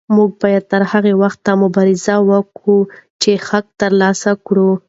موږ به تر هغه وخته مبارزه کوو چې حق ترلاسه کړو.